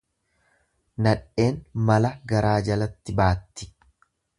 Nadheen mala garaa jalatti baatti.